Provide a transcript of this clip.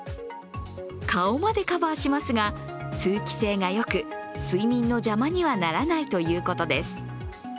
顔までカバーしますが通気性がよく睡眠の邪魔にはならないということです。